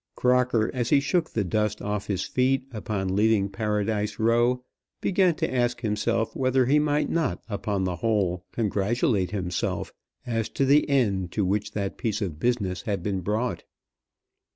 Crocker, as he shook the dust off his feet upon leaving Paradise Row, began to ask himself whether he might not upon the whole congratulate himself as to the end to which that piece of business had been brought.